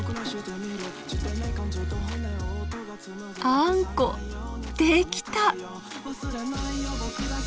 あんこできた！